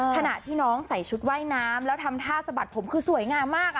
ขณะที่น้องใส่ชุดว่ายน้ำแล้วทำท่าสะบัดผมคือสวยงามมาก